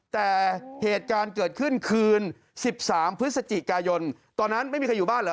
แต่เหตุการณ์เกิดขึ้นคืน๑๓พฤศจิกายนตอนนั้นไม่มีใครอยู่บ้านเหรอ